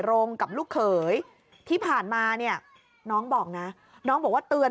รงกับลูกเขยที่ผ่านมาเนี่ยน้องบอกนะน้องบอกว่าเตือน